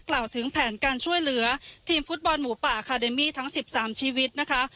กล่าวถึงแผนการช่วยเหลือทีมฟุตบอลหมูป่าทั้งสิบสามชีวิตนะคะ